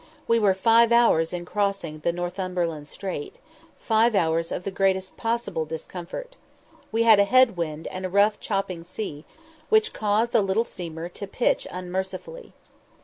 We were five hours in crossing Northumberland Strait five hours of the greatest possible discomfort. We had a head wind and a rough chopping sea, which caused the little steamer to pitch unmercifully.